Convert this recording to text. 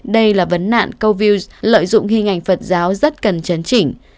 đây là vấn nạn câu view lợi dụng hình ảnh phật giáo rất cần chấn chỉnh